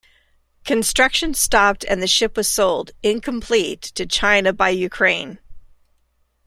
Construction stopped and the ship was sold, incomplete, to China by Ukraine.